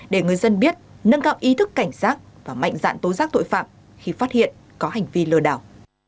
để người dân biết nâng cao ý thức cảnh giác và mạnh dạn tố giác tội phạm khi phát hiện có hành vi lừa đảo